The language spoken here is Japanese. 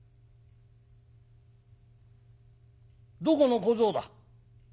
「どこの小僧だ？